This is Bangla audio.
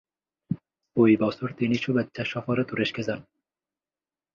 ওই বছরই তিনি শুভেচ্ছা সফরে তুরস্কে যান।